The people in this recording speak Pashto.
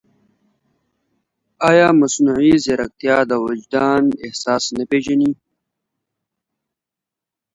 ایا مصنوعي ځیرکتیا د وجدان احساس نه پېژني؟